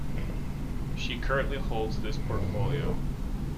She currently holds this portfolio.